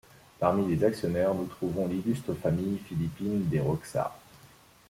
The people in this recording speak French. Parmi les actionnaires, nous trouvons l'illustre famille philippine des Roxas.